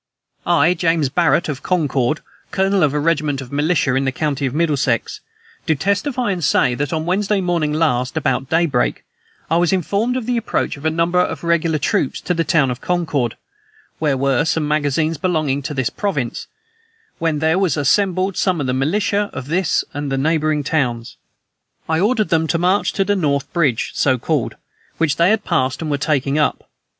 "I, James Barret, of Concord, colonel of a regiment of militia, in the county of Middlesex, do testify and say that, on Wednesday morning last, about daybreak, I was informed of the approach of a number of the regular troops to the town of Concord, where were some magazines belonging to this province, when there was assembled some of the militia of this and the neighboring towns, I ordered them to march to the north bridge (so called), which they had passed and were taking up.